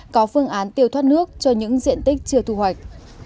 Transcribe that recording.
có phương án tiêu thoát nước cho những diện tích chưa thu hoạch